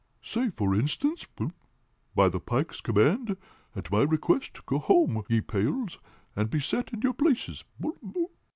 Say, for instance, 'By the Pike's command, at my request, go home, ye pails, and be set in your places.'"